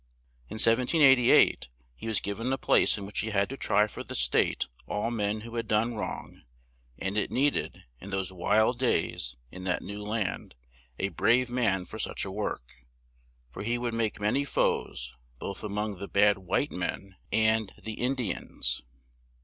In 1788 he was giv en a place in which he had to try for the State all men who had done wrong and it need ed, in those wild days and in that new land, a brave man for such a work, for he would make ma ny foes, both a mong the bad white men and the In di ans.